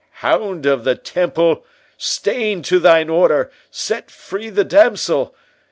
"Hound of the Temple—stain to thine Order—set free the damsel!